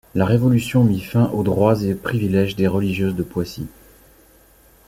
La Révolution mit fin aux droits et privilèges des religieuses de Poissy.